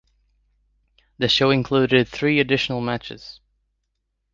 The show included three additional matches.